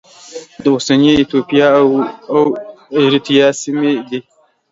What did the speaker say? د اوسنۍ ایتوپیا او اریتریا سیمې دي.